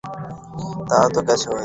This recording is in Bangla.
তা তো গেছই।